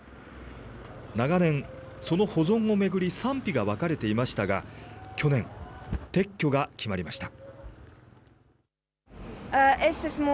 長年、その保存を巡り、賛否が分かれていましたが、去年、撤去が決まりました。